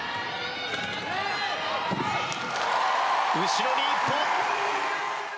後ろに１歩。